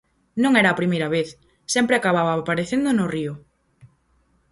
Non era a primeira vez, sempre acababa aparecendo no río.